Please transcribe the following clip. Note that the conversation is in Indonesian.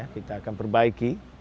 kita akan perbaiki